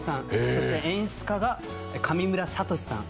そして演出家が上村聡史さん。